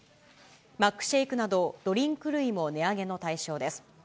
マックシェイクなど、ドリンク類も値上げの対象です。